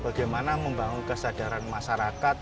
bagaimana membangun kesadaran masyarakat